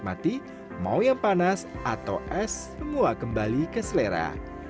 mati mau yang panas atau es semua kembali ke selera